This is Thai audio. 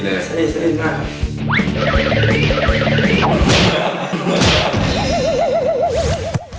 ใช่ใช่ใช่